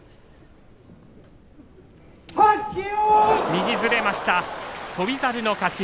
右にずれました翔猿の勝ち。